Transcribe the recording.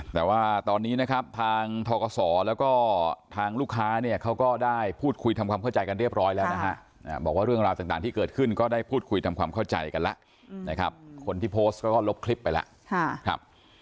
แต่ว่าตอนนี้นะครับทางทกศแล้วก็ทางลูกค้าเนี่ยเขาก็ได้พูดคุยทำความเข้าใจกันเรียบร้อยแล้วนะฮะบอกว่าเรื่องราวต่างที่เกิดขึ้นก็ได้พูดคุยทำความเข้าใจกันแล้วนะครับคนที่โพสต์ก็ลบคลิปไปแล้ว